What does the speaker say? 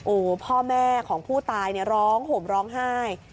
โอ้พ่อแม่ของผู้ตายร้องห่มร้องไห้